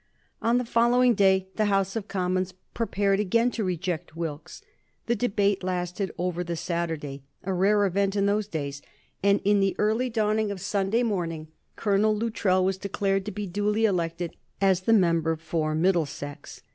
On the following day the House of Commons prepared again to reject Wilkes. The debate lasted over the Saturday a rare event in those days and in the early dawning of Sunday morning Colonel Luttrell was declared to be duly elected as the member for Middlesex.